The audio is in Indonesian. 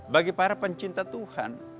bagi para pencinta tuhan